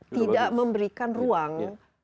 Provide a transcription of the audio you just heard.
tidak memberikan ruang